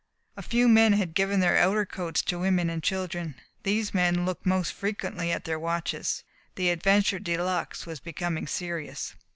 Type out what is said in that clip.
A few men had given their outer coats to women and children. These men looked most frequently at their watches. The adventure de luxe was becoming serious.